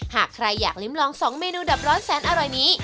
หากใครอยากลิ้มลอง๒เมนูดับร้อนแสนอร่อยนี้